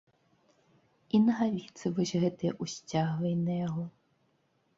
І нагавіцы вось гэтыя ўсцягвай на яго.